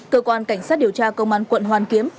cơ quan cảnh sát điều tra công an quận hoàn kiếm